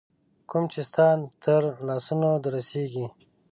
کوم چي ستا تر لاسونو در رسیږي